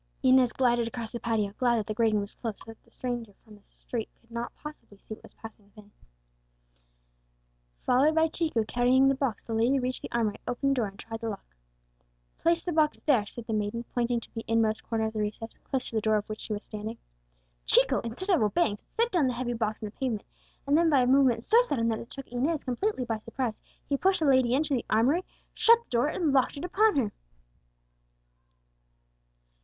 Inez glided across the patio, glad that the grating was closed, so that no stranger from the street could possibly see what was passing within. Followed by Chico carrying the box, the lady reached the armoury, opened the door, and tried the lock. "Place the box there," said the maiden, pointing to the inmost corner of the recess, close to the door of which she was standing. Chico, instead of obeying, set down the heavy box on the pavement, and then, by a movement so sudden that it took Inez completely by surprise, he pushed the lady into the armoury, shut the door, and locked it upon her!